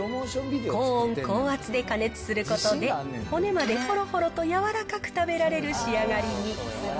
高温高圧で加熱することで、骨までほろほろと柔らかく食べられる仕上がりに。